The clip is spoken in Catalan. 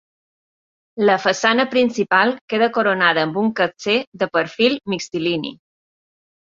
La façana principal queda coronada amb un capcer de perfil mixtilini.